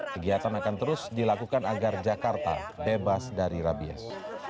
kegiatan akan terus dilakukan agar jakarta bebas dari rabies